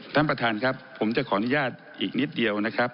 ท่านประธานครับผมจะขออนุญาตอีกนิดเดียวนะครับ